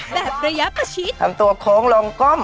แบบระยะประชิดทำตัวโค้งลองก้ม